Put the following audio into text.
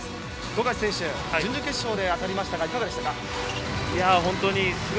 富樫選手、準々決勝で当たりましたが、いかがでしたか？